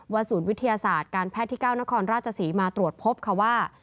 ศูนย์วิทยาศาสตร์การแพทย์ที่๙นครราชศรีมาตรวจพบค่ะว่า